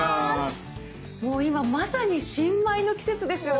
もう今まさに新米の季節ですよね。